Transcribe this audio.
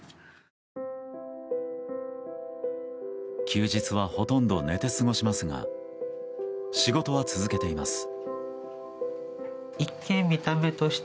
休日はほとんど寝て過ごしますが仕事は続けています。